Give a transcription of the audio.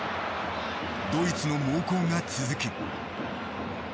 ドイツの猛攻が続く。